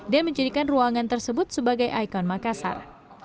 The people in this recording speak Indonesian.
dan menjadikan ruangan tersebut sebagai ikon makassar